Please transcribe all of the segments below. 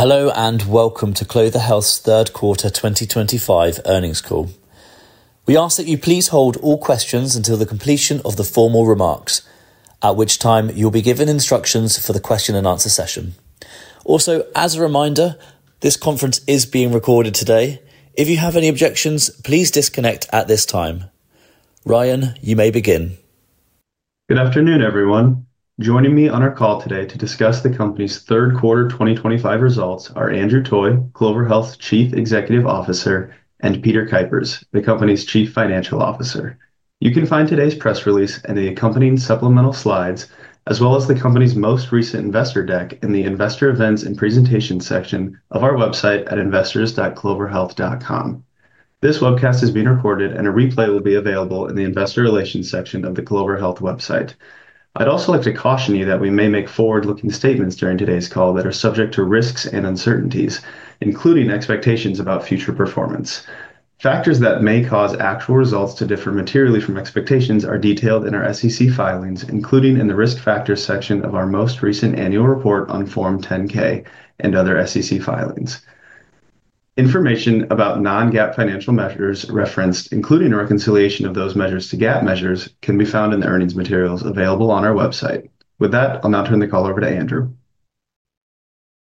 Hello and welcome to Clover Health's Third Quarter 2025 Earnings Call. We ask that you please hold all questions until the completion of the formal remarks, at which time you'll be given instructions for the question and answer session. Also, as a reminder, this conference is being recorded today. If you have any objections, please disconnect at this time. Ryan, you may begin. Good afternoon, everyone. Joining me on our call today to discuss the company's third quarter 2025 results are Andrew Toy, Clover Health's Chief Executive Officer, and Peter Kuipers, the company's Chief Financial Officer. You can find today's press release and the accompanying supplemental slides, as well as the company's most recent investor deck in the Investor Events and Presentations section of our website at investors.cloverhealth.com. This webcast is being recorded, and a replay will be available in the Investor Relations section of the Clover Health website. I'd also like to caution you that we may make forward-looking statements during today's call that are subject to risks and uncertainties, including expectations about future performance. Factors that may cause actual results to differ materially from expectations are detailed in our SEC filings, including in the risk factors section of our most recent annual report on Form 10-K and other SEC filings. Information about non-GAAP financial measures referenced, including reconciliation of those measures to GAAP measures, can be found in the earnings materials available on our website. With that, I'll now turn the call over to Andrew.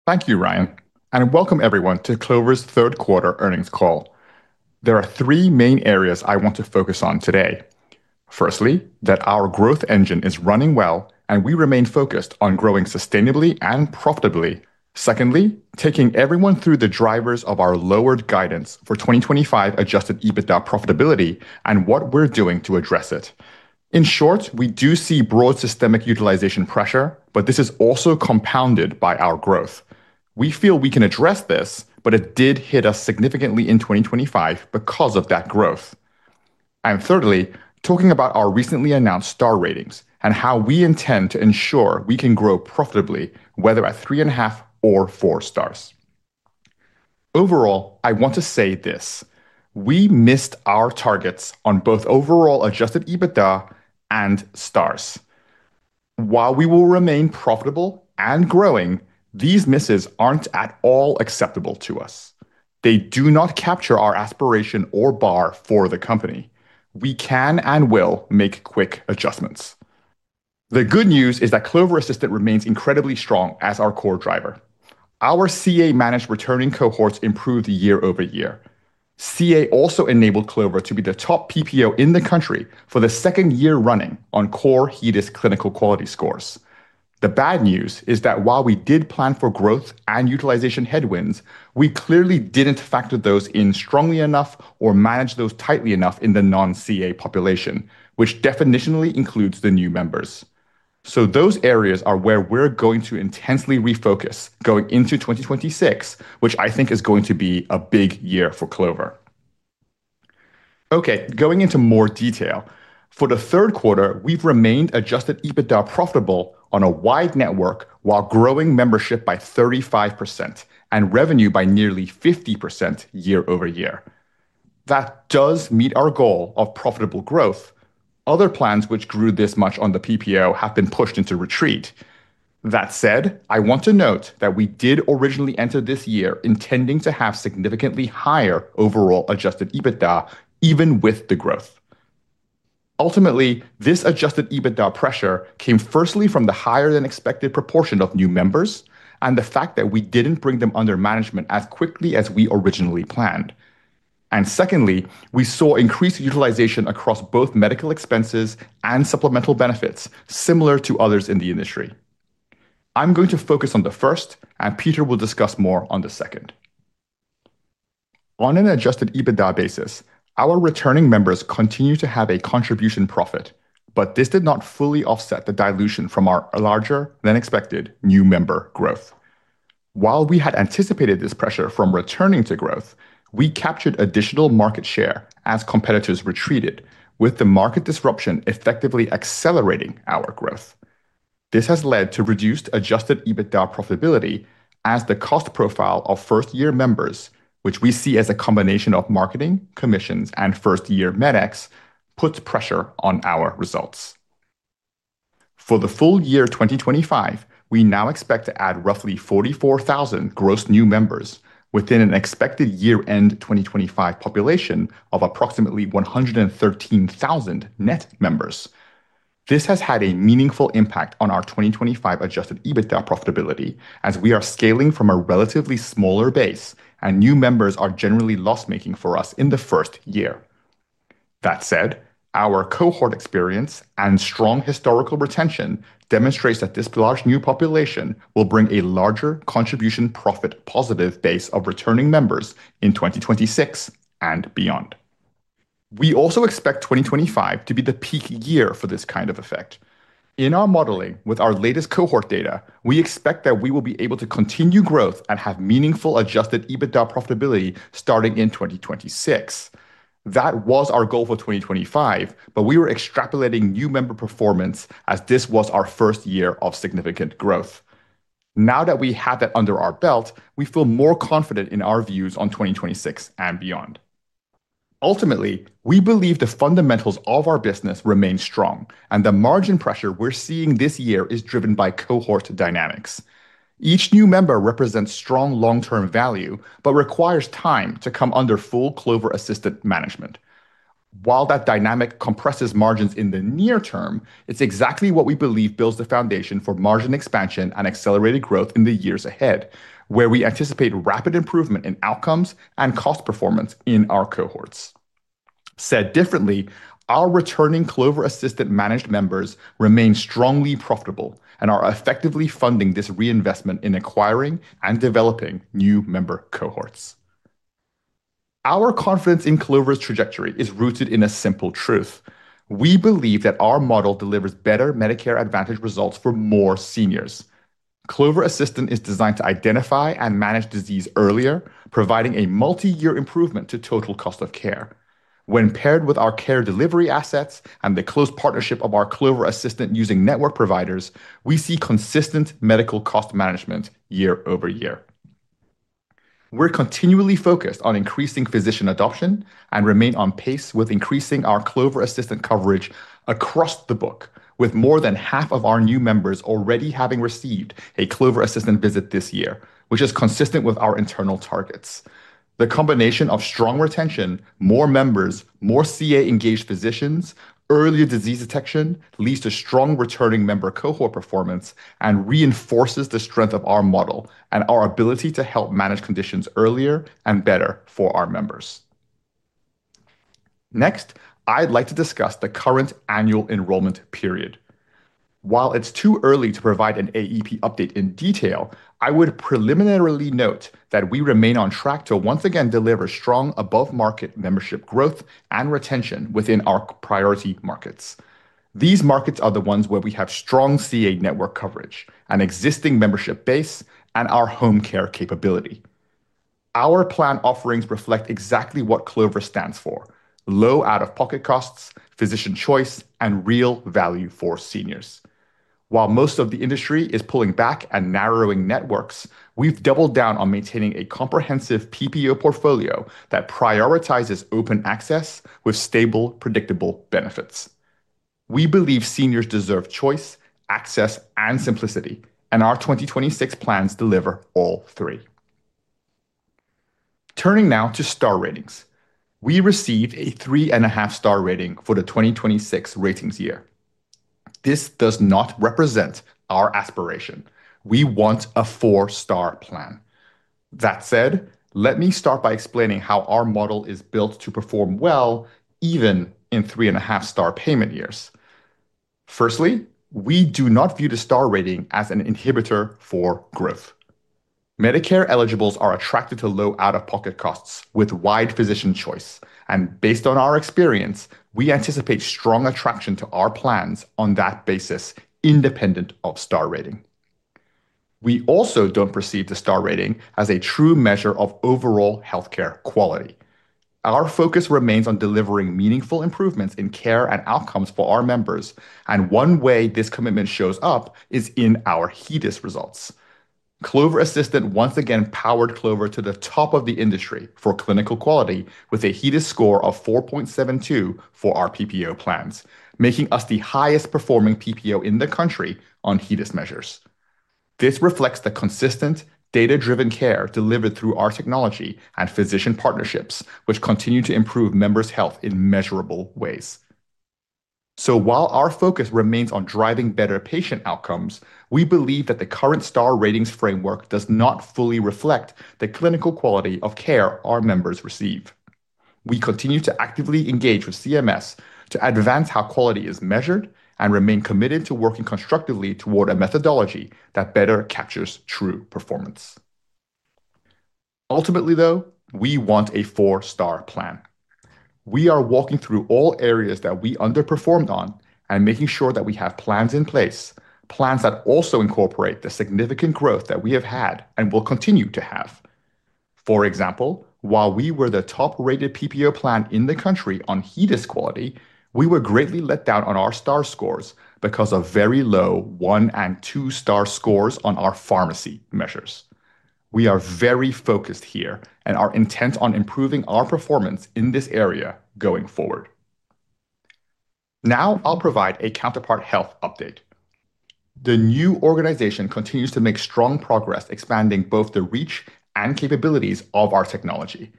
Thank you, Ryan, and welcome everyone to Clover's third quarter earnings call. There are three main areas I want to focus on today. Firstly, that our growth engine is running well and we remain focused on growing sustainably and profitably. Secondly, taking everyone through the drivers of our lowered guidance for 2025 adjusted EBITDA profitability and what we're doing to address it. In short, we do see broad systemic utilization pressure, but this is also compounded by our growth. We feel we can address this, but it did hit us significantly in 2025 because of that growth. And thirdly, talking about our recently announced star ratings and how we intend to ensure we can grow profitably, whether at three and a half or four stars. Overall, I want to say this: we missed our targets on both overall adjusted EBITDA and stars. While we will remain profitable and growing, these misses aren't at all acceptable to us. They do not capture our aspiration or bar for the company. We can and will make quick adjustments. The good news is that Clover Assistant remains incredibly strong as our core driver. Our CA-managed returning cohorts improved year-over-year. CA also enabled Clover to be the top PPO in the country for the second year running on core HEDIS clinical quality scores. The bad news is that while we did plan for growth and utilization headwinds, we clearly didn't factor those in strongly enough or manage those tightly enough in the non-CA population, which definitionally includes the new members. So those areas are where we're going to intensely refocus going into 2026, which I think is going to be a big year for Clover. Okay, going into more detail. For the third quarter, we've remained adjusted EBITDA profitable on a wide network while growing membership by 35% and revenue by nearly 50% year-over-year. That does meet our goal of profitable growth. Other plans which grew this much on the PPO have been pushed into retreat. That said, I want to note that we did originally enter this year intending to have significantly higher overall adjusted EBITDA, even with the growth. Ultimately, this adjusted EBITDA pressure came firstly from the higher-than-expected proportion of new members and the fact that we didn't bring them under management as quickly as we originally planned. And secondly, we saw increased utilization across both medical expenses and supplemental benefits similar to others in the industry. I'm going to focus on the first, and Peter will discuss more on the second. On an adjusted EBITDA basis, our returning members continue to have a contribution profit, but this did not fully offset the dilution from our larger-than-expected new member growth. While we had anticipated this pressure from returning to growth, we captured additional market share as competitors retreated, with the market disruption effectively accelerating our growth. This has led to reduced adjusted EBITDA profitability as the cost profile of first-year members, which we see as a combination of marketing, commissions, and first-year med-ex, puts pressure on our results. For the full year 2025, we now expect to add roughly 44,000 gross new members within an expected year-end 2025 population of approximately 113,000 net members. This has had a meaningful impact on our 2025 adjusted EBITDA profitability as we are scaling from a relatively smaller base and new members are generally loss-making for us in the first year. That said, our cohort experience and strong historical retention demonstrate that this large new population will bring a larger contribution profit-positive base of returning members in 2026 and beyond. We also expect 2025 to be the peak year for this kind of effect. In our modeling with our latest cohort data, we expect that we will be able to continue growth and have meaningful adjusted EBITDA profitability starting in 2026. That was our goal for 2025, but we were extrapolating new member performance as this was our first year of significant growth. Now that we have that under our belt, we feel more confident in our views on 2026 and beyond. Ultimately, we believe the fundamentals of our business remain strong, and the margin pressure we're seeing this year is driven by cohort dynamics. Each new member represents strong long-term value but requires time to come under full Clover Assistant management. While that dynamic compresses margins in the near term, it's exactly what we believe builds the foundation for margin expansion and accelerated growth in the years ahead, where we anticipate rapid improvement in outcomes and cost performance in our cohorts. Said differently, our returning Clover Assistant-managed members remain strongly profitable and are effectively funding this reinvestment in acquiring and developing new member cohorts. Our confidence in Clover's trajectory is rooted in a simple truth. We believe that our model delivers better Medicare Advantage results for more seniors. Clover Assistant is designed to identify and manage disease earlier, providing a multi-year improvement to total cost of care. When paired with our care delivery assets and the close partnership of our Clover Assistant using network providers, we see consistent medical cost management year-over-year. We're continually focused on increasing physician adoption and remain on pace with increasing our Clover Assistant coverage across the book, with more than half of our new members already having received a Clover Assistant visit this year, which is consistent with our internal targets. The combination of strong retention, more members, more CA-engaged physicians, earlier disease detection leads to strong returning member cohort performance and reinforces the strength of our model and our ability to help manage conditions earlier and better for our members. Next, I'd like to discuss the current annual enrollment period. While it's too early to provide an AEP update in detail, I would preliminarily note that we remain on track to once again deliver strong above-market membership growth and retention within our priority markets. These markets are the ones where we have strong CA network coverage, an existing membership base, and our home care capability. Our plan offerings reflect exactly what Clover stands for: low out-of-pocket costs, physician choice, and real value for seniors. While most of the industry is pulling back and narrowing networks, we've doubled down on maintaining a comprehensive PPO portfolio that prioritizes open access with stable, predictable benefits. We believe seniors deserve choice, access, and simplicity, and our 2026 plans deliver all three. Turning now to star ratings, we received a three and a half star rating for the 2026 ratings year. This does not represent our aspiration. We want a four-star plan. That said, let me start by explaining how our model is built to perform well even in three and a half star payment years. Firstly, we do not view the star rating as an inhibitor for growth. Medicare eligibles are attracted to low out-of-pocket costs with wide physician choice, and based on our experience, we anticipate strong attraction to our plans on that basis, independent of star rating. We also don't perceive the star rating as a true measure of overall healthcare quality. Our focus remains on delivering meaningful improvements in care and outcomes for our members, and one way this commitment shows up is in our HEDIS results. Clover Assistant once again powered Clover to the top of the industry for clinical quality with a HEDIS score of 4.72 for our PPO plans, making us the highest-performing PPO in the country on HEDIS measures. This reflects the consistent, data-driven care delivered through our technology and physician partnerships, which continue to improve members' health in measurable ways. So while our focus remains on driving better patient outcomes, we believe that the current star ratings framework does not fully reflect the clinical quality of care our members receive. We continue to actively engage with CMS to advance how quality is measured and remain committed to working constructively toward a methodology that better captures true performance. Ultimately, though, we want a four-star plan. We are walking through all areas that we underperformed on and making sure that we have plans in place, plans that also incorporate the significant growth that we have had and will continue to have. For example, while we were the top-rated PPO plan in the country on HEDIS quality, we were greatly let down on our star scores because of very low one and two-star scores on our pharmacy measures. We are very focused here and are intent on improving our performance in this area going forward. Now I'll provide a Counterpart Health update. The new organization continues to make strong progress expanding both the reach and capabilities of our technology.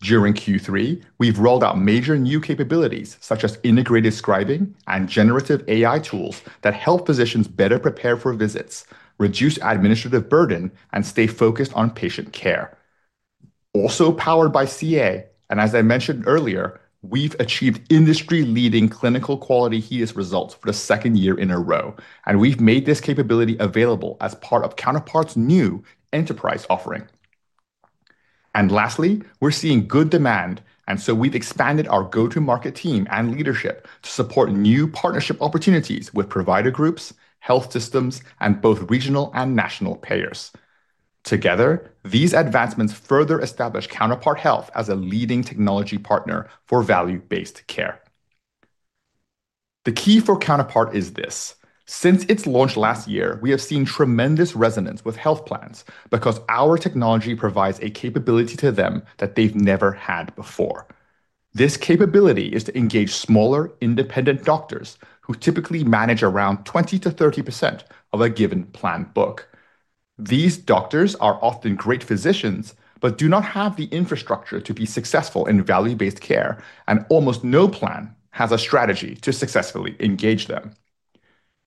During Q3, we've rolled out major new capabilities such as integrated scribing and generative AI tools that help physicians better prepare for visits, reduce administrative burden, and stay focused on patient care. Also powered by CA, and as I mentioned earlier, we've achieved industry-leading clinical quality HEDIS results for the second year in a row, and we've made this capability available as part of Counterpart's new enterprise offering. And lastly, we're seeing good demand, and so we've expanded our go-to-market team and leadership to support new partnership opportunities with provider groups, health systems, and both regional and national payers. Together, these advancements further establish Counterpart Health as a leading technology partner for value-based care. The key for Counterpart is this. Since its launch last year, we have seen tremendous resonance with health plans because our technology provides a capability to them that they've never had before. This capability is to engage smaller, independent doctors who typically manage around 20%-30% of a given plan book. These doctors are often great physicians but do not have the infrastructure to be successful in value-based care, and almost no plan has a strategy to successfully engage them.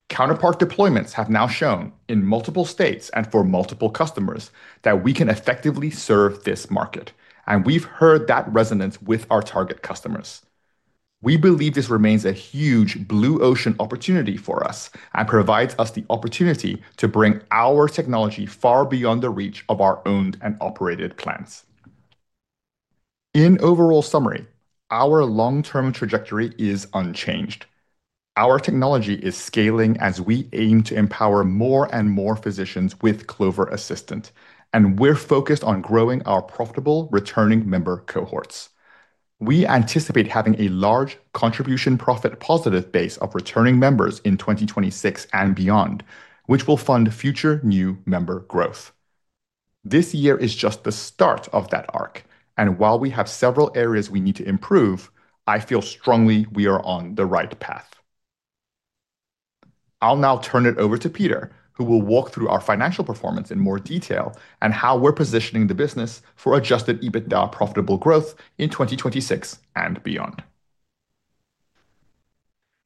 Counterpart deployments have now shown in multiple states and for multiple customers that we can effectively serve this market, and we've heard that resonance with our target customers. We believe this remains a huge blue ocean opportunity for us and provides us the opportunity to bring our technology far beyond the reach of our owned and operated plans. In overall summary, our long-term trajectory is unchanged. Our technology is scaling as we aim to empower more and more physicians with Clover Assistant, and we're focused on growing our profitable returning member cohorts. We anticipate having a large contribution profit-positive base of returning members in 2026 and beyond, which will fund future new member growth. This year is just the start of that arc, and while we have several areas we need to improve, I feel strongly we are on the right path. I'll now turn it over to Peter, who will walk through our financial performance in more detail and how we're positioning the business for Adjusted EBITDA profitable growth in 2026 and beyond.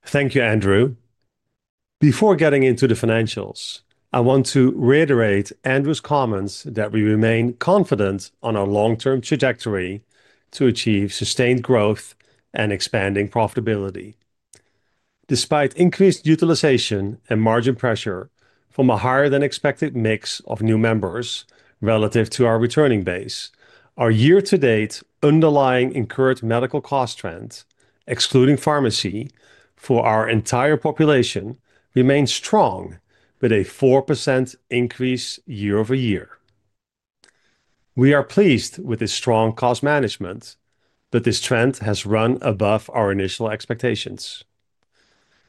Thank you, Andrew. Before getting into the financials, I want to reiterate Andrew's comments that we remain confident on our long-term trajectory to achieve sustained growth and expanding profitability. Despite increased utilization and margin pressure from a higher-than-expected mix of new members relative to our returning base, our year-to-date underlying incurred medical cost trend, excluding pharmacy for our entire population, remains strong with a 4% increase year-over-year. We are pleased with this strong cost management, but this trend has run above our initial expectations.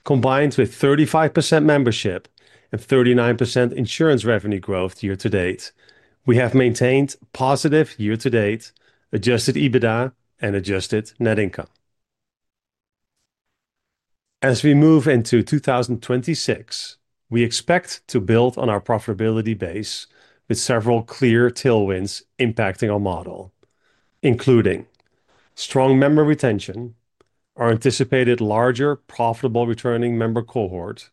Combined with 35% membership and 39% insurance revenue growth year-to-date, we have maintained positive year-to-date Adjusted EBITDA and Adjusted Net Income. As we move into 2026, we expect to build on our profitability base with several clear tailwinds impacting our model, including. Strong member retention, our anticipated larger profitable returning member cohort,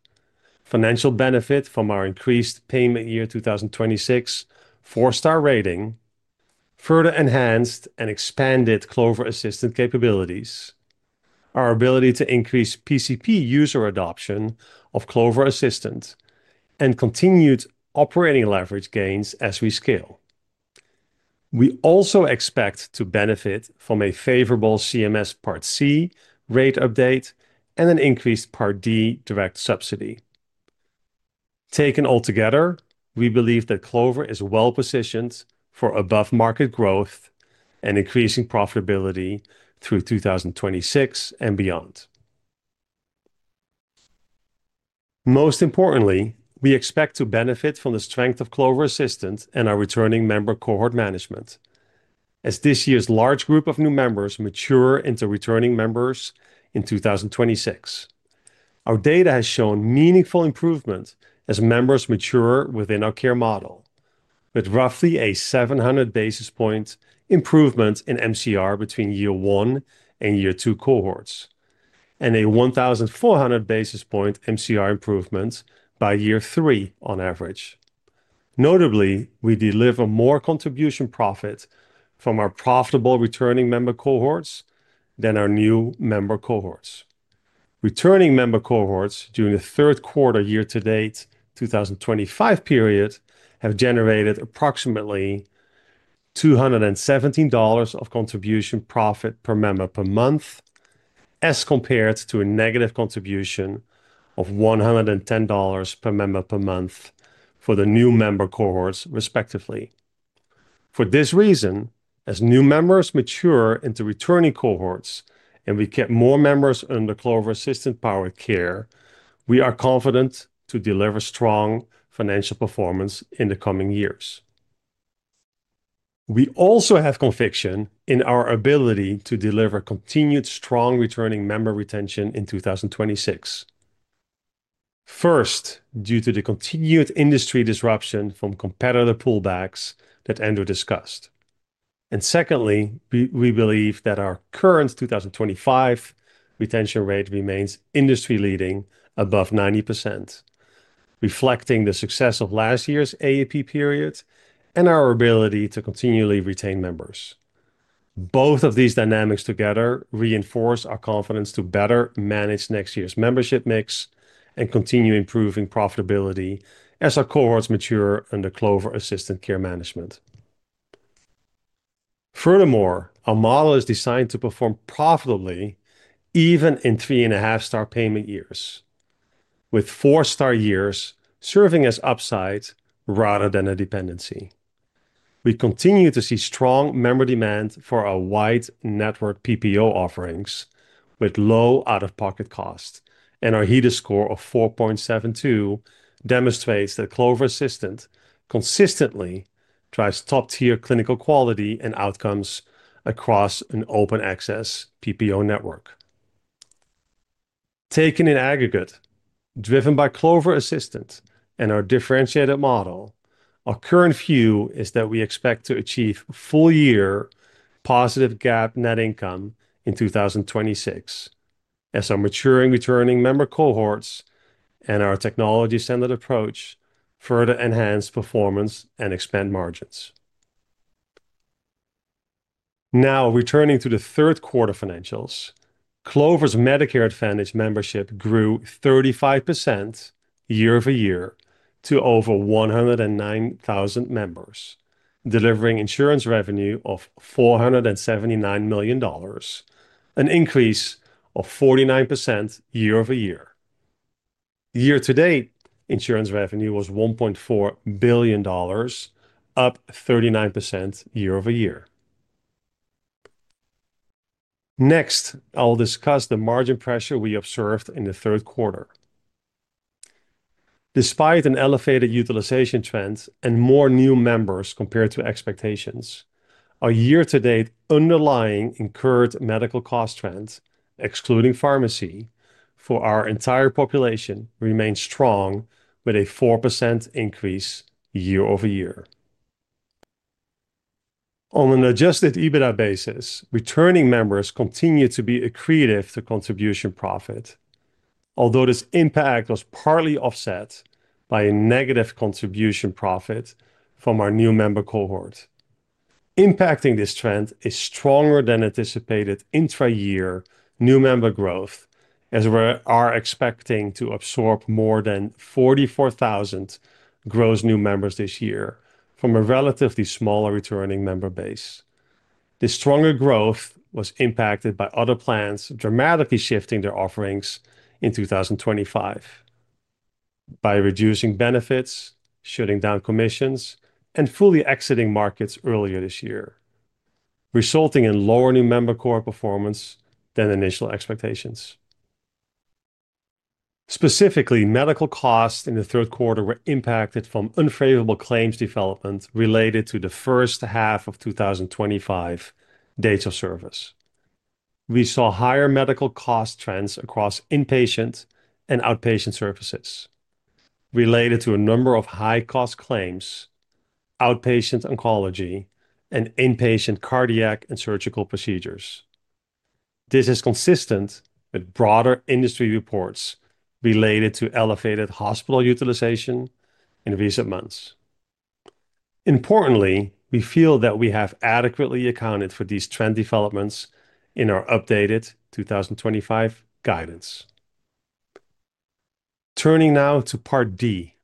financial benefit from our increased payment year 2026 four-star rating. Further enhanced and expanded Clover Assistant capabilities. Our ability to increase PCP user adoption of Clover Assistant, and continued operating leverage gains as we scale. We also expect to benefit from a favorable CMS Part C rate update and an increased Part D direct subsidy. Taken all together, we believe that Clover is well positioned for above-market growth and increasing profitability through 2026 and beyond. Most importantly, we expect to benefit from the strength of Clover Assistant and our returning member cohort management. As this year's large group of new members mature into returning members in 2026. Our data has shown meaningful improvement as members mature within our care model, with roughly a 700 basis points improvement in MCR between year one and year two cohorts, and a 1,400 basis points MCR improvement by year three on average. Notably, we deliver more contribution profit from our profitable returning member cohorts than our new member cohorts. Returning member cohorts during the third quarter year-to-date 2025 period have generated approximately $217 of contribution profit per member per month. As compared to a negative contribution of $110 per member per month for the new member cohorts, respectively. For this reason, as new members mature into returning cohorts and we get more members under Clover Assistant-powered care, we are confident to deliver strong financial performance in the coming years. We also have conviction in our ability to deliver continued strong returning member retention in 2026. First, due to the continued industry disruption from competitor pullbacks that Andrew discussed. And secondly, we believe that our current 2025 retention rate remains industry-leading above 90%. Reflecting the success of last year's AEP period and our ability to continually retain members. Both of these dynamics together reinforce our confidence to better manage next year's membership mix and continue improving profitability as our cohorts mature under Clover Assistant care management. Furthermore, our model is designed to perform profitably even in three and a half star payment years, with four-star years serving as upside rather than a dependency. We continue to see strong member demand for our wide network PPO offerings with low out-of-pocket cost, and our HEDIS score of 4.72 demonstrates that Clover Assistant consistently drives top-tier clinical quality and outcomes across an open-access PPO network. Taken in aggregate, driven by Clover Assistant and our differentiated model, our current view is that we expect to achieve full-year positive GAAP net income in 2026. As our maturing returning member cohorts and our technology-centered approach further enhance performance and expand margins. Now returning to the third quarter financials, Clover's Medicare Advantage membership grew 35% year-over-year to over 109,000 members, delivering insurance revenue of $479 million. An increase of 49% year-over-year. Year-to-date, insurance revenue was $1.4 billion. Up 39% year-over-year. Next, I'll discuss the margin pressure we observed in the third quarter. Despite an elevated utilization trend and more new members compared to expectations, our year-to-date underlying incurred medical cost trend, excluding pharmacy for our entire population, remains strong with a 4% increase year-over-year. On an adjusted EBITDA basis, returning members continue to be accretive to contribution profit, although this impact was partly offset by a negative contribution profit from our new member cohort. Impacting this trend is stronger than anticipated intra-year new member growth, as we are expecting to absorb more than 44,000 gross new members this year from a relatively smaller returning member base. This stronger growth was impacted by other plans dramatically shifting their offerings in 2025 by reducing benefits, shutting down commissions, and fully exiting markets earlier this year, resulting in lower new member core performance than initial expectations. Specifically, medical costs in the third quarter were impacted from unfavorable claims development related to the first half of 2025 dates of service. We saw higher medical cost trends across inpatient and outpatient services related to a number of high-cost claims, outpatient oncology, and inpatient cardiac and surgical procedures. This is consistent with broader industry reports related to elevated hospital utilization in recent months. Importantly, we feel that we have adequately accounted for these trend developments in our updated 2025 guidance. Turning now to Part D.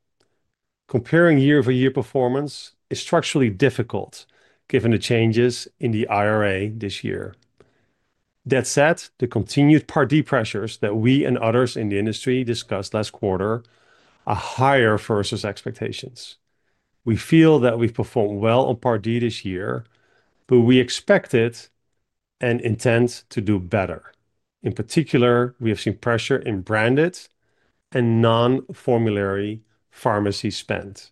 Comparing year-over-year performance is structurally difficult given the changes in the IRA this year. That said, the continued Part D pressures that we and others in the industry discussed last quarter are higher versus expectations. We feel that we've performed well on Part D this year, but we expected and intend to do better. In particular, we have seen pressure in branded and non-formulary pharmacy spend.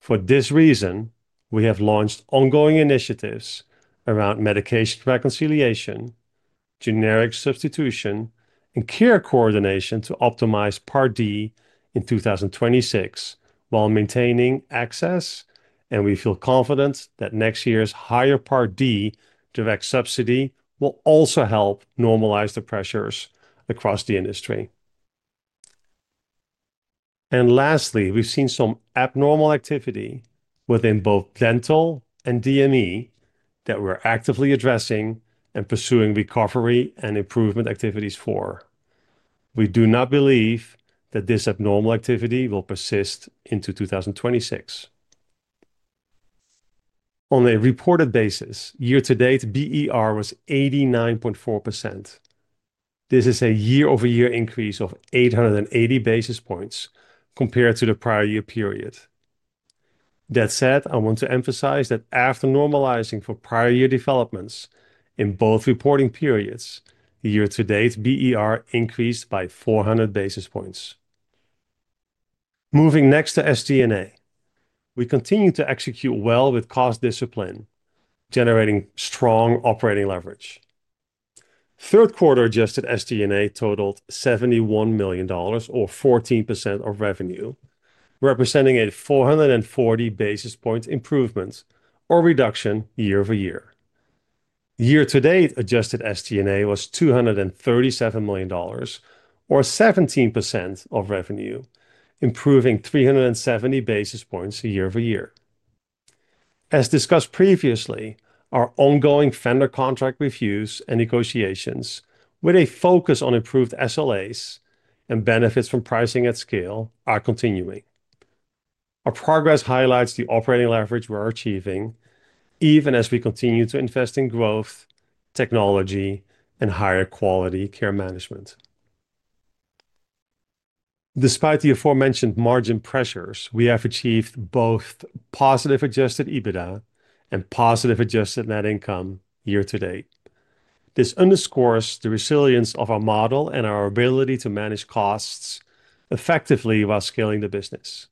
For this reason, we have launched ongoing initiatives around medication reconciliation, generic substitution, and care coordination to optimize Part D in 2026 while maintaining access. And we feel confident that next year's higher Part D direct subsidy will also help normalize the pressures across the industry. And lastly, we've seen some abnormal activity within both dental and DME that we're actively addressing and pursuing recovery and improvement activities for. We do not believe that this abnormal activity will persist into 2026. On a reported basis, year-to-date BER was 89.4%. This is a year-over-year increase of 880 basis points compared to the prior year period. That said, I want to emphasize that after normalizing for prior year developments in both reporting periods, year-to-date BER increased by 400 basis points. Moving next to SD&A, we continue to execute well with cost discipline, generating strong operating leverage. Third quarter adjusted SD&A totaled $71 million, or 14% of revenue, representing a 440 basis points improvement or reduction year-over-year. Year-to-date adjusted SD&A was $237 million, or 17% of revenue, improving 370 basis points year-over-year. As discussed previously, our ongoing vendor contract reviews and negotiations, with a focus on improved SLAs and benefits from pricing at scale, are continuing. Our progress highlights the operating leverage we're achieving, even as we continue to invest in growth, technology, and higher quality care management. Despite the aforementioned margin pressures, we have achieved both positive adjusted EBITDA and positive adjusted net income year-to-date. This underscores the resilience of our model and our ability to manage costs effectively while scaling the business.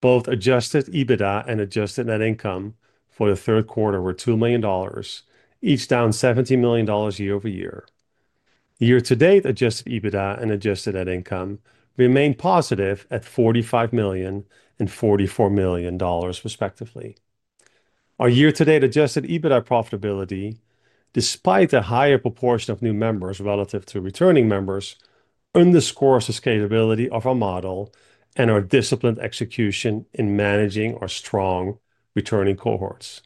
Both adjusted EBITDA and adjusted net income for the third quarter were $2 million, each down $70 million year-over-year. Year-to-date adjusted EBITDA and adjusted net income remain positive at $45 million and $44 million, respectively. Our year-to-date adjusted EBITDA profitability, despite a higher proportion of new members relative to returning members, underscores the scalability of our model and our disciplined execution in managing our strong returning cohorts.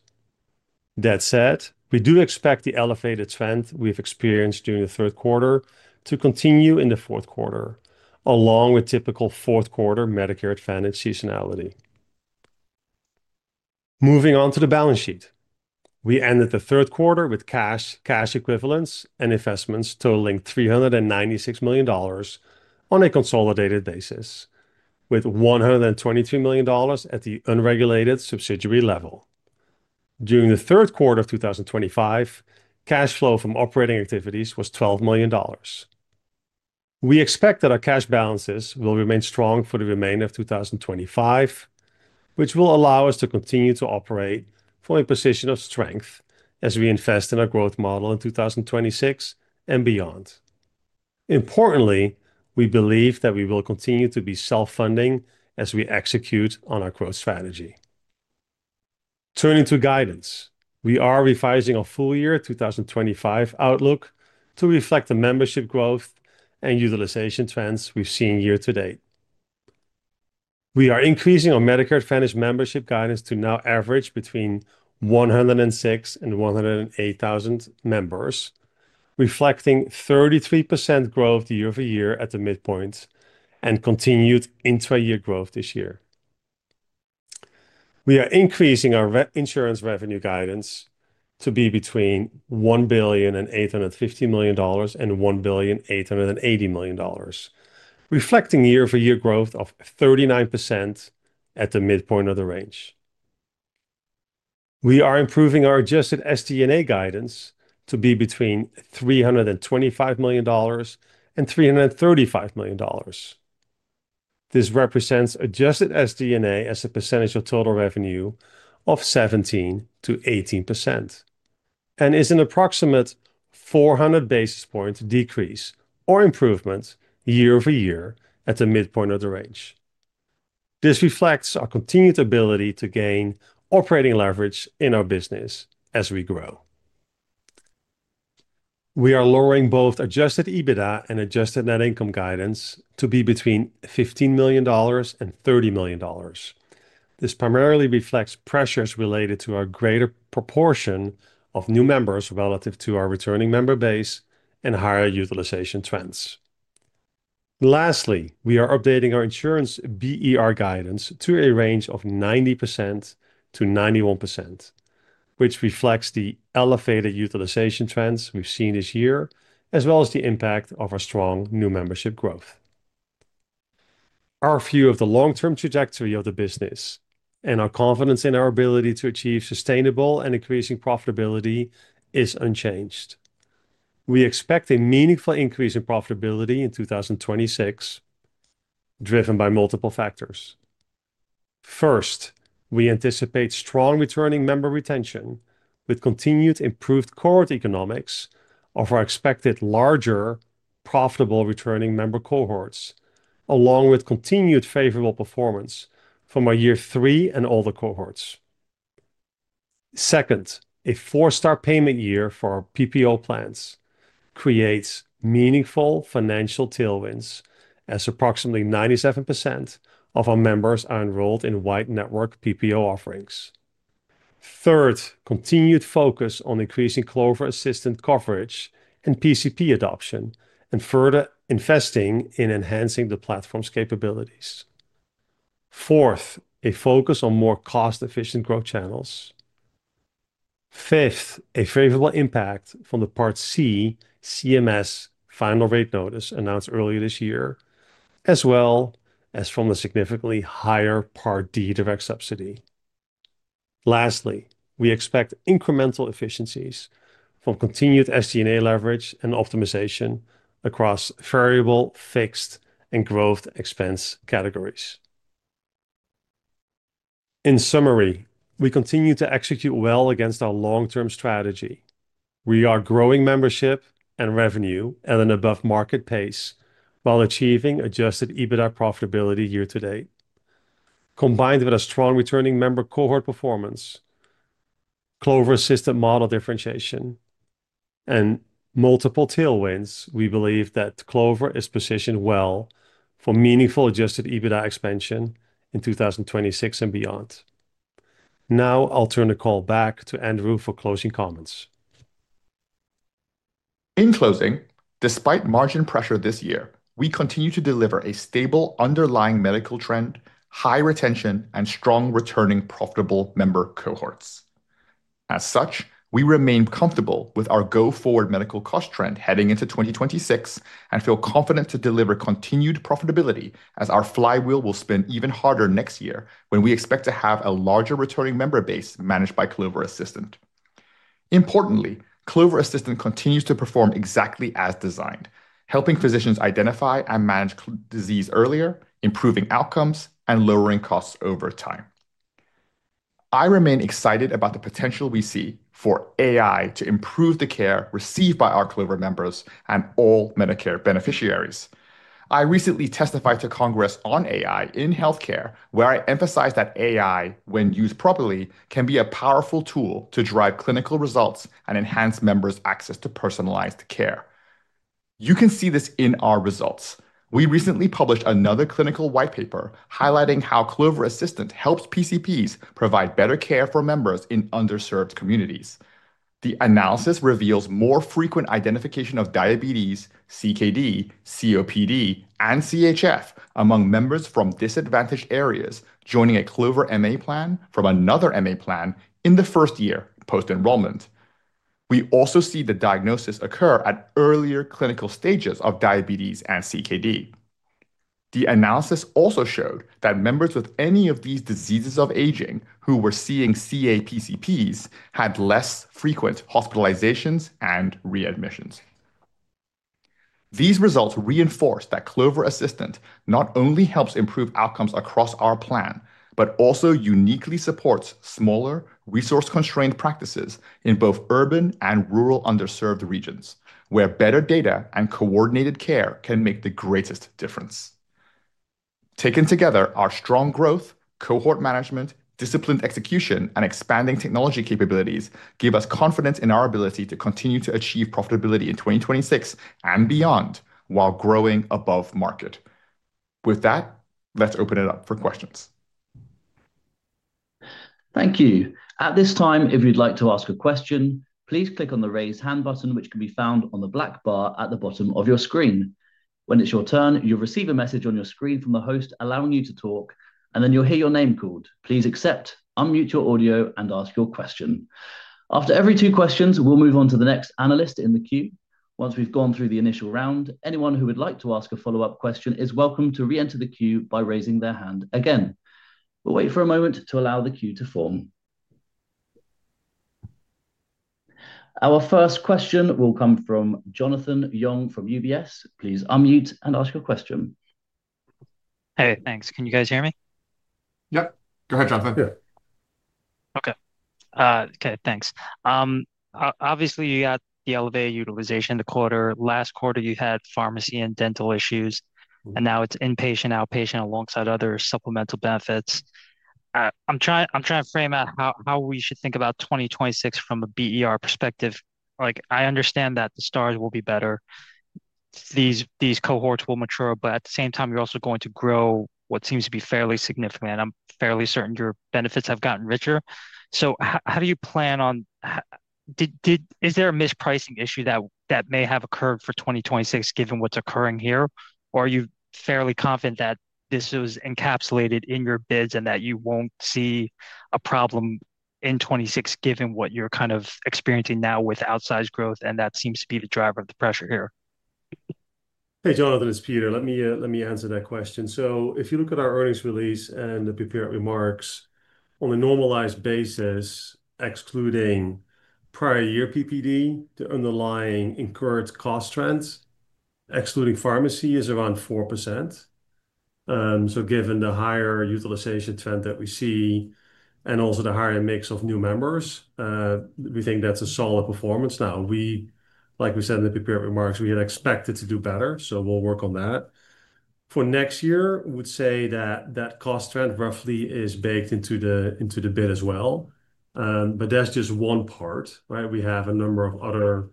That said, we do expect the elevated trend we've experienced during the third quarter to continue in the fourth quarter, along with typical fourth quarter Medicare Advantage seasonality. Moving on to the balance sheet, we ended the third quarter with cash, cash equivalents, and investments totaling $396 million. On a consolidated basis, with $123 million at the unregulated subsidiary level. During the third quarter of 2025, cash flow from operating activities was $12 million. We expect that our cash balances will remain strong for the remainder of 2025, which will allow us to continue to operate from a position of strength as we invest in our growth model in 2026 and beyond. Importantly, we believe that we will continue to be self-funding as we execute on our growth strategy. Turning to guidance, we are revising our full year 2025 outlook to reflect the membership growth and utilization trends we've seen year-to-date. We are increasing our Medicare Advantage membership guidance to now average between 106,000 and 108,000 members, reflecting 33% growth year-over-year at the midpoint and continued intra-year growth this year. We are increasing our insurance revenue guidance to be between $1,850,000,000 and $1,880,000,000, reflecting year-over-year growth of 39% at the midpoint of the range. We are improving our adjusted SD&A guidance to be between $325 million and $335 million. This represents adjusted SD&A as a percentage of total revenue of 17% to 18%. And is an approximate 400 basis point decrease or improvement year-over-year at the midpoint of the range. This reflects our continued ability to gain operating leverage in our business as we grow. We are lowering both adjusted EBITDA and adjusted net income guidance to be between $15 million and $30 million. This primarily reflects pressures related to our greater proportion of new members relative to our returning member base and higher utilization trends. Lastly, we are updating our insurance BER guidance to a range of 90% to 91%, which reflects the elevated utilization trends we've seen this year, as well as the impact of our strong new membership growth. Our view of the long-term trajectory of the business and our confidence in our ability to achieve sustainable and increasing profitability is unchanged. We expect a meaningful increase in profitability in 2026, driven by multiple factors. First, we anticipate strong returning member retention with continued improved cohort economics of our expected larger profitable returning member cohorts, along with continued favorable performance from our year-three and older cohorts. Second, a four-star payment year for our PPO plans creates meaningful financial tailwinds as approximately 97% of our members are enrolled in wide network PPO offerings. Third, continued focus on increasing Clover Assistant coverage and PCP adoption and further investing in enhancing the platform's capabilities. Fourth, a focus on more cost-efficient growth channels. Fifth, a favorable impact from the Part C CMS final rate notice announced earlier this year, as well as from the significantly higher Part D direct subsidy. Lastly, we expect incremental efficiencies from continued SD&A leverage and optimization across variable, fixed, and growth expense categories. In summary, we continue to execute well against our long-term strategy. We are growing membership and revenue at an above-market pace while achieving Adjusted EBITDA profitability year-to-date. Combined with our strong returning member cohort performance, Clover Assistant model differentiation, and multiple tailwinds, we believe that Clover is positioned well for meaningful Adjusted EBITDA expansion in 2026 and beyond. Now I'll turn the call back to Andrew for closing comments. In closing, despite margin pressure this year, we continue to deliver a stable underlying medical trend, high retention, and strong returning profitable member cohorts. As such, we remain comfortable with our go-forward medical cost trend heading into 2026 and feel confident to deliver continued profitability as our flywheel will spin even harder next year when we expect to have a larger returning member base managed by Clover Assistant. Importantly, Clover Assistant continues to perform exactly as designed, helping physicians identify and manage disease earlier, improving outcomes and lowering costs over time. I remain excited about the potential we see for AI to improve the care received by our Clover members and all Medicare beneficiaries. I recently testified to Congress on AI in healthcare, where I emphasized that AI, when used properly, can be a powerful tool to drive clinical results and enhance members' access to personalized care. You can see this in our results. We recently published another clinical white paper highlighting how Clover Assistant helps PCPs provide better care for members in underserved communities. The analysis reveals more frequent identification of diabetes, CKD, COPD, and CHF among members from disadvantaged areas joining a Clover MA plan from another MA plan in the first year post-enrollment. We also see the diagnosis occur at earlier clinical stages of diabetes and CKD. The analysis also showed that members with any of these diseases of aging who were seeing Clover Assistant PCPs had less frequent hospitalizations and readmissions. These results reinforce that Clover Assistant not only helps improve outcomes across our plan, but also uniquely supports smaller, resource-constrained practices in both urban and rural underserved regions, where better data and coordinated care can make the greatest difference. Taken together, our strong growth, cohort management, disciplined execution, and expanding technology capabilities give us confidence in our ability to continue to achieve profitability in 2026 and beyond while growing above market. With that, let's open it up for questions. Thank you. At this time, if you'd like to ask a question, please click on the raise hand button, which can be found on the black bar at the bottom of your screen. When it's your turn, you'll receive a message on your screen from the host allowing you to talk, and then you'll hear your name called. Please accept, unmute your audio, and ask your question. After every two questions, we'll move on to the next analyst in the queue. Once we've gone through the initial round, anyone who would like to ask a follow-up question is welcome to re-enter the queue by raising their hand again. We'll wait for a moment to allow the queue to form. Our first question will come from Jonathan Yong from UBS. Please unmute and ask your question. Hey, thanks. Can you guys hear me? Yep. Go ahead, Jonathan. Yeah. Okay. Okay, thanks. Obviously, you got the elevated utilization the quarter. Last quarter, you had pharmacy and dental issues, and now it's inpatient, outpatient, alongside other supplemental benefits. I'm trying to frame out how we should think about 2026 from a BER perspective. I understand that the stars will be better. These cohorts will mature, but at the same time, you're also going to grow what seems to be fairly significant, and I'm fairly certain your benefits have gotten richer. So how do you plan on. Is there a mispricing issue that may have occurred for 2026 given what's occurring here, or are you fairly confident that this was encapsulated in your bids and that you won't see a problem in 2026 given what you're kind of experiencing now with outsized growth and that seems to be the driver of the pressure here? Hey, Jonathan, it's Peter. Let me answer that question. So if you look at our earnings release and the prepared remarks, on a normalized basis, excluding prior year PPD, the underlying incurred cost trends, excluding pharmacy, is around 4%. So given the higher utilization trend that we see and also the higher mix of new members, we think that's a solid performance now. Like we said in the prepared remarks, we had expected to do better, so we'll work on that. For next year, we would say that that cost trend roughly is baked into the bid as well. But that's just one part, right? We have a number of other.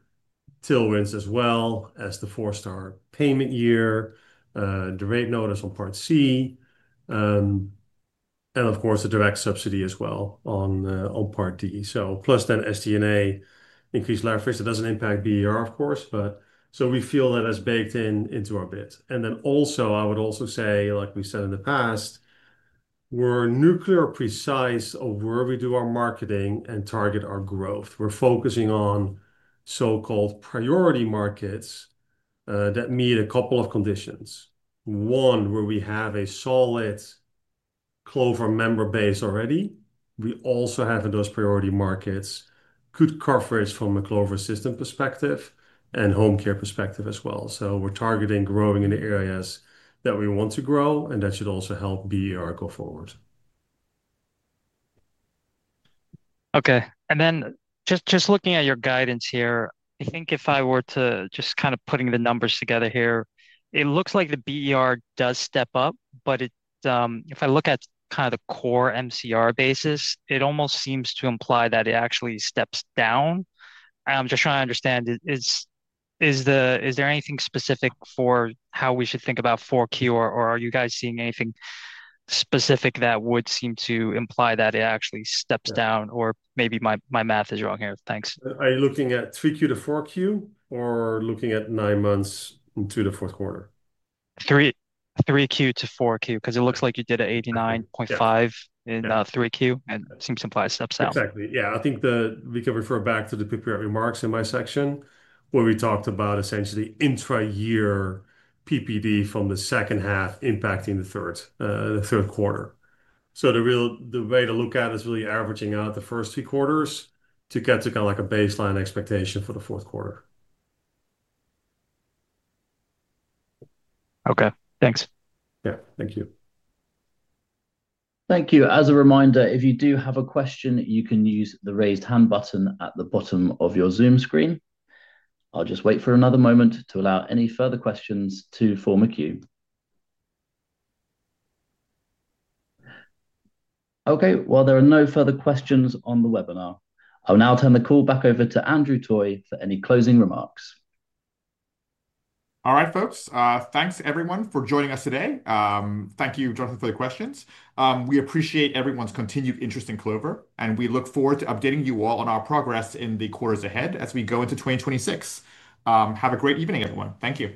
Tailwinds as well as the four-star payment year, the rate notice on Part C. And of course, the direct subsidy as well on Part D. So plus then SD&A, increased leverage. That doesn't impact BER, of course, but so we feel that as baked into our bids. And then also, I would also say, like we said in the past, we're nuclear precise of where we do our marketing and target our growth. We're focusing on so-called priority markets that meet a couple of conditions. One, where we have a solid Clover member base already, we also have in those priority markets good coverage from a Clover Assistant perspective and home care perspective as well. So we're targeting growing in the areas that we want to grow, and that should also help BER go forward. Okay. And then just looking at your guidance here, I think if I were to just kind of put the numbers together here, it looks like the BER does step up, but if I look at kind of the core MCR basis, it almost seems to imply that it actually steps down. I'm just trying to understand. Is there anything specific for how we should think about 4Q, or are you guys seeing anything specific that would seem to imply that it actually steps down, or maybe my math is wrong here. Thanks. Are you looking at 3Q to 4Q or looking at nine months into the fourth quarter? 3Q to 4Q, because it looks like you did an 89.5% in 3Q, and it seems to imply it steps down. Exactly. Yeah. I think we can refer back to the prepared remarks in my section, where we talked about essentially intra-year PPD from the second half impacting the third quarter. So the way to look at it is really averaging out the first three quarters to get to kind of like a baseline expectation for the fourth quarter. Okay. Thanks. Yeah. Thank you. Thank you. As a reminder, if you do have a question, you can use the raised hand button at the bottom of your Zoom screen. I'll just wait for another moment to allow any further questions to form a queue. Okay. Well, there are no further questions on the webinar. I'll now turn the call back over to Andrew Toy for any closing remarks. All right, folks. Thanks, everyone, for joining us today. Thank you, Jonathan, for the questions. We appreciate everyone's continued interest in Clover, and we look forward to updating you all on our progress in the quarters ahead as we go into 2026. Have a great evening, everyone. Thank you.